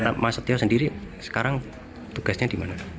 pak mas setio sendiri sekarang tugasnya di mana